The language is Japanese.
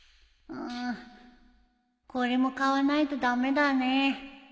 これも買わないと駄目だね